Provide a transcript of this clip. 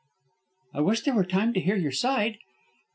"I wish there were time to hear your side."